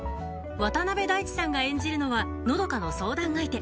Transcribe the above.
渡辺大知さんが演じるのは和佳の相談相手